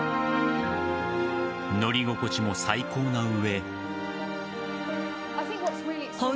乗り心地も最高な上。